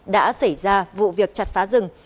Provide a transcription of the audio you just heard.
đã xảy ra vụ việc chặt phá rừng